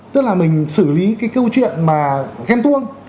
tức là mình xử lý cái câu chuyện mà ghen tuông